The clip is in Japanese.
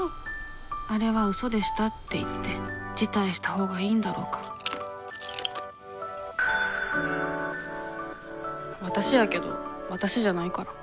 あれは嘘でしたって言って辞退したほうがいいんだろうかわたしやけどわたしじゃないから。